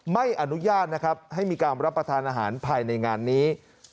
ไม่อนุญาตนะครับให้มีการรับประทานอาหารภายในงานนี้